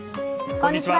こんにちは。